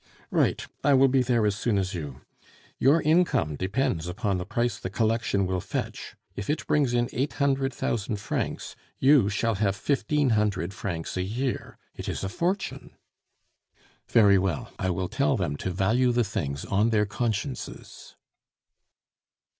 "Right! I will be there as soon as you. Your income depends upon the price the collection will fetch. If it brings in eight hundred thousand francs, you shall have fifteen hundred francs a year. It is a fortune." "Very well. I will tell them to value the things on their consciences."